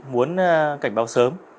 muốn cảnh báo sớm